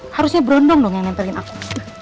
harusnya berondong dong yang nempelin aku